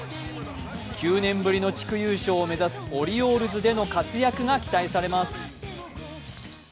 ９年ぶりの地区優勝を目指すオリオールズでの活躍が期待されます。